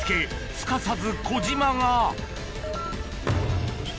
すかさず小島がいった！